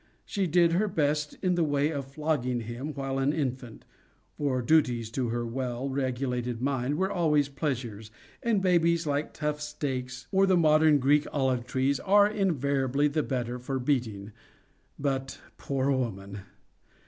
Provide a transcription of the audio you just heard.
She did her best in the way of flogging him while an infant—for duties to her well regulated mind were always pleasures, and babies, like tough steaks, or the modern Greek olive trees, are invariably the better for beating—but, poor woman!